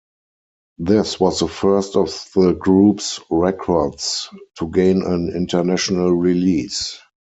This was the first of the group's records to gain an international release.